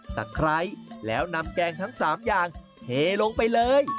ไคร้แล้วนำแกงทั้ง๓อย่างเทลงไปเลย